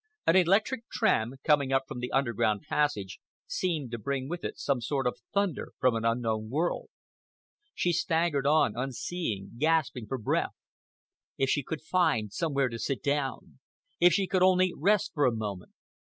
An electric tram, coming up from the underground passage, seemed to bring with it some sort of thunder from an unknown world. She staggered on, unseeing, gasping for breath. If she could find somewhere to sit down! If she could only rest for a moment!